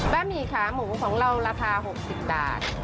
ะหมี่ขาหมูของเราราคา๖๐บาท